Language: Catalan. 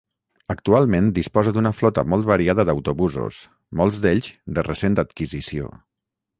Actualment disposa d'una flota molt variada d'autobusos, molts d'ells de recent adquisició.